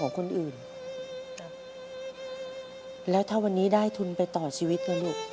คนอื่นครับแล้วถ้าวันนี้ได้ทุนไปต่อชีวิตนะลูก